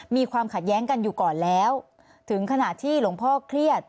มีความขัดแย้งกันอยู่ก่อนแล้วถึงขนาดที่หลวงพ่อเครียด